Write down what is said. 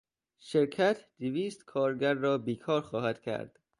شرکت دویست کارگر را بیکار خواهد کرد.